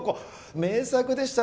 名作でしたねあれ。